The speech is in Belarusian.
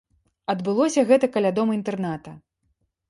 Адбылося гэта каля дома-інтэрната.